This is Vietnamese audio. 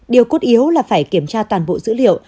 điều cốt yếu là phải kiểm tra toàn bộ dữ liệu